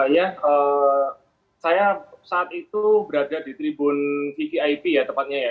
ya saya saat itu berada di tribun vvip ya tepatnya ya